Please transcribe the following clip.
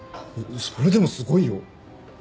それでもすごいよ。